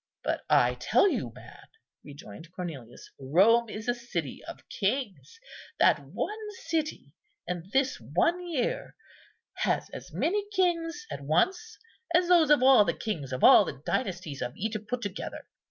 "But I tell you, man," rejoined Cornelius, "Rome is a city of kings. That one city, in this one year, has as many kings at once as those of all the kings of all the dynasties of Egypt put together.